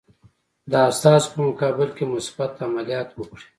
د استازو په مقابل کې مثبت عملیات وکړي.